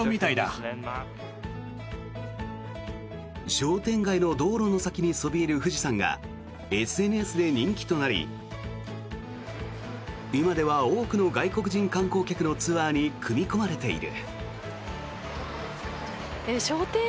商店街の道路の先にそびえる富士山がＳＮＳで人気となり今では多くの外国人観光客のツアーに組み込まれている。